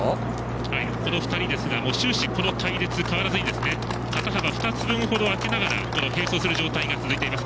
この２人ですが終始、隊列変わらずに肩幅２つ分ほど開けながら並走する状態が続いています。